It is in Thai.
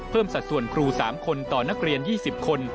สัดส่วนครู๓คนต่อนักเรียน๒๐คน